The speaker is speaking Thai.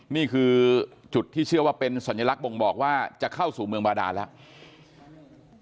นี่คือจุดที่เชื่อว่าเป็นสัญลักษณ์บ่งบอกว่าจะเข้าสู่เมืองบาดานแล้ว